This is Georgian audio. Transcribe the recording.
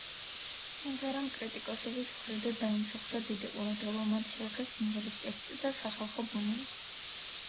სიმღერამ კრიტიკოსების მხრიდან დაიმსახურა დიდი ყურადღება, მათ შეაქეს სიმღერის ტექსტი და სახალისო ბუნება.